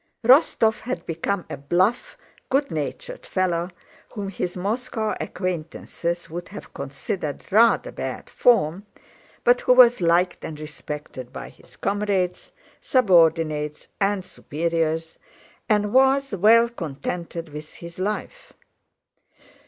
Rostóv had become a bluff, good natured fellow, whom his Moscow acquaintances would have considered rather bad form, but who was liked and respected by his comrades, subordinates, and superiors, and was well contented with his life.